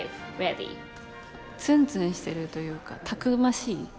ツンツンしてるというかたくましい。